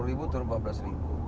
rp enam puluh turun rp empat belas